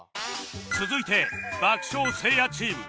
続いて爆笑せいやチーム